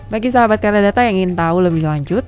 bagi sahabat kata data yang ingin tahu lebih lanjut